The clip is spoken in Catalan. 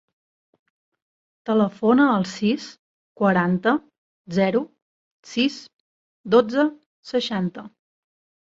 Telefona al sis, quaranta, zero, sis, dotze, seixanta.